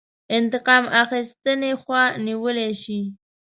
انتقام اخیستنې خوا نیولی شي.